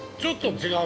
◆違う。